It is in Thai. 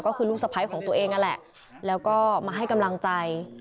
ก็คือลูกสะพ้ายของตัวเองนั่นแหละแล้วก็มาให้กำลังใจ